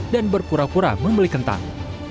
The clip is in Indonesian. dan berpura pura membeli kentang